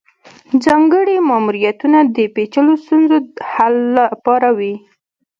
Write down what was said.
ځانګړي ماموریتونه د پیچلو ستونزو د حل لپاره وي